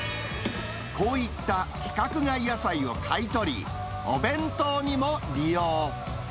こういった規格外野菜を買い取り、お弁当にも利用。